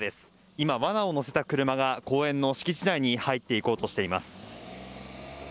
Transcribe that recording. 今、わなを載せた車が公園の敷地内に入っていこうとしています。